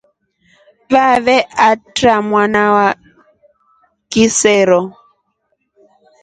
Vavae aatra mwana wa kisero.